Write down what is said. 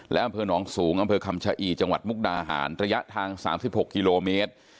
และอำเภอหนองสูงอำเภอคำชะอีจังหวัดมุกดาหารระยะทาง๓๖กิโลเมตร